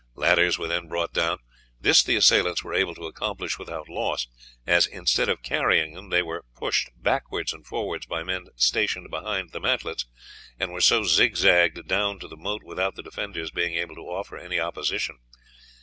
Ladders were then brought down. This the assailants were able to accomplish without loss, as, instead of carrying them, they were pushed backwards and forwards by men stationed behind the mantlets, and were so zigzagged down to the moat without the defenders being able to offer any opposition.